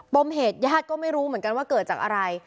มเหตุญาติก็ไม่รู้เหมือนกันว่าเกิดจากอะไร